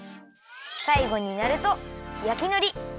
さいごになるとやきのり